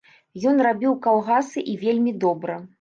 Ён рабіў калгасы і вельмі добра.